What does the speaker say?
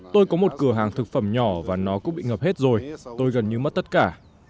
tôi có một cửa hàng thực phẩm nhỏ và nó cũng bị ngập hết rồi tôi gần như mất tất cả